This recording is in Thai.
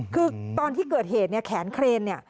คือตอนที่เกิดเหตุเนี่ยแขนเครนเนี่ย